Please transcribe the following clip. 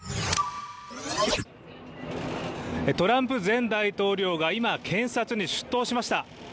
トランプ前大統領が今、検察に出頭しました。